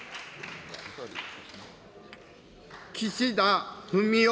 岸田文雄